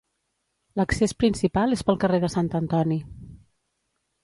L'accés principal és pel carrer de Sant Antoni.